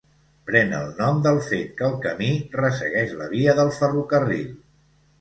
Pren el nom del fet que el camí ressegueix la via del ferrocarril.